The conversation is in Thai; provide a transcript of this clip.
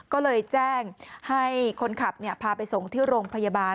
ก็เลยแจ้งให้คนขับพาไปส่งที่โรงพยาบาล